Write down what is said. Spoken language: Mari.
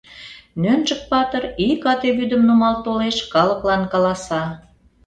Нӧнчык-патыр ик ате вӱдым нумал толеш, калыклан каласа: